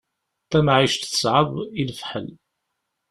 Tamɛict teṣɛeb i lefḥel.